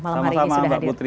malam hari ini sudah hadir